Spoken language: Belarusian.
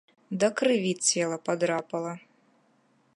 Да крыві цела падрапала.